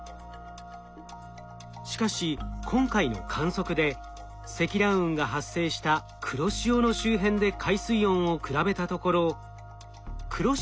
しかし今回の観測で積乱雲が発生した黒潮の周辺で海水温を比べたところ黒潮地点では２６．９℃だったものが